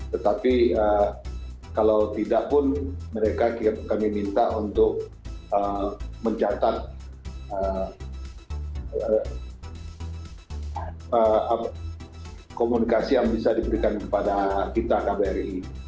tetapi kalau tidak pun mereka kami minta untuk mencatat komunikasi yang bisa diberikan kepada kita kbri